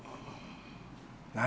何？